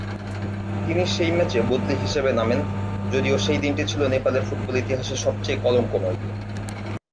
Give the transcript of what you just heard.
তিনি সেই ম্যাচে বদলি হিসেবে নামেন, যদিও সেই দিনটি ছিল নেপালের ফুটবল ইতিহাসে সবচেয়ে কলংকময় দিন।